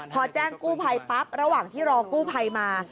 พอแจ้งกู้ภัยปั๊บระหว่างที่รอกู้ภัยมา